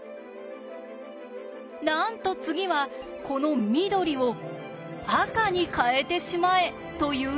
なんと次はこの緑を赤に変えてしまえというのです。